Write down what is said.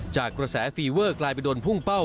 จากกระแสฟีเวอร์กลายไปโดนพุ่งเป้า